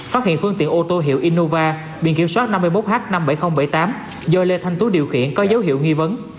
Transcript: phát hiện phương tiện ô tô hiệu innova biên kiểm soát năm mươi một h năm mươi bảy nghìn bảy mươi tám do lê thanh tú điều khiển có dấu hiệu nghi vấn